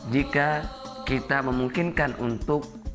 jika kita memungkinkan untuk